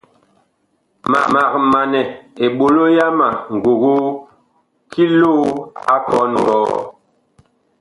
Mag manɛ eɓolo ngogoo ki loo a kɔn ngɔɔ.